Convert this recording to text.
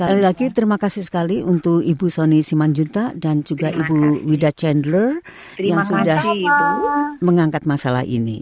sekali lagi terima kasih sekali untuk ibu soni simanjunta dan juga ibu wida chandler yang sudah mengangkat masalah ini